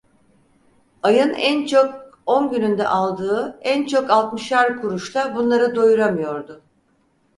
Ayın en çok on gününde aldığı en çok altmışar kuruşla bunları doyuramıyordu.